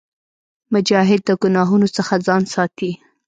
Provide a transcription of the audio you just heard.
مجاهد د ګناهونو څخه ځان ساتي.